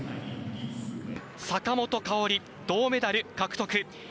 坂本花織、銅メダル獲得。